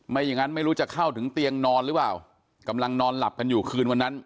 อย่างงั้นไม่รู้จะเข้าถึงเตียงนอนหรือเปล่ากำลังนอนหลับกันอยู่คืนวันนั้น